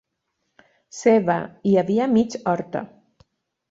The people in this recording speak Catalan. Se Va hi havia mig Horta.